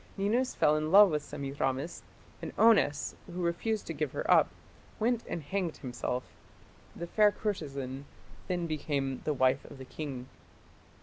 Ninus fell in love with Semiramis, and Onnes, who refused to give her up, went and hanged himself. The fair courtesan then became the wife of the king.